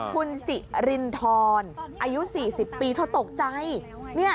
คุณสิรินทรอายุ๔๐ปีเธอตกใจ